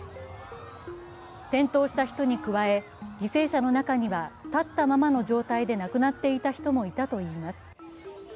転倒した人に加え、犠牲者の中には立ったままの状態で亡くなっていた人もいたといいます。